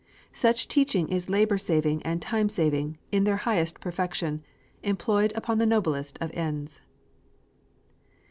Such teaching is labor saving and time saving, in their highest perfection, employed upon the noblest of ends.